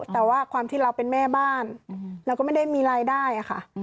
แต่ว่าความที่เราเป็นแม่บ้านเราก็ไม่ได้มีรายได้ค่ะ